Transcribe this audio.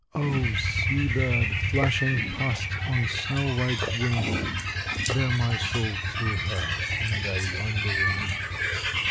Oh! sea bird, flashing past on snow white wing, Bear my soul to her in thy wandering.